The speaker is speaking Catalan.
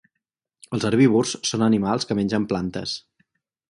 Els herbívors són animals que mengen plantes.